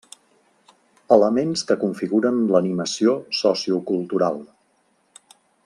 Elements que configuren l'animació sociocultural.